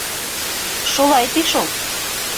— Шулай ти шул.